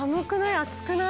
暑くない？